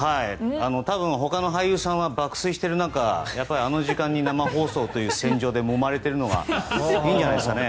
多分、ほかの俳優さんは爆睡している中やっぱりあの時間に生放送という戦場でもまれているのがいいんじゃないですかね。